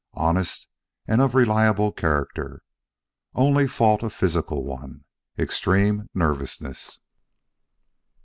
Honest and of reliable character. Only fault a physical one extreme nervousness.